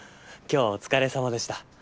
今日はお疲れさまでした。